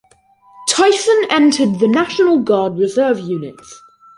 Tyson entered the National Guard reserve units.